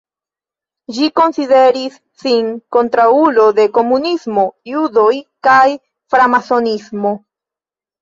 Ĝi konsideris sin kontraŭulo de komunismo, judoj kaj framasonismo.